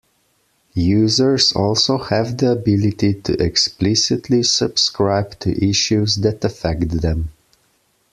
Users also have the ability to explicitly subscribe to issues that affect them.